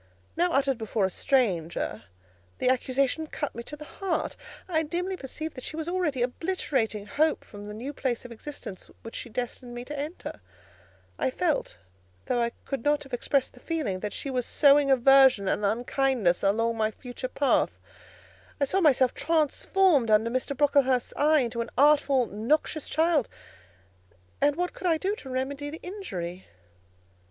Now, uttered before a stranger, the accusation cut me to the heart; I dimly perceived that she was already obliterating hope from the new phase of existence which she destined me to enter; I felt, though I could not have expressed the feeling, that she was sowing aversion and unkindness along my future path; I saw myself transformed under Mr. Brocklehurst's eye into an artful, noxious child, and what could I do to remedy the injury?